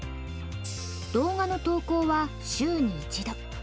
動画の投稿は週に一度。